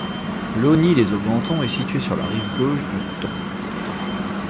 Logny-lès-Aubenton est située sur la rive gauche du Thon.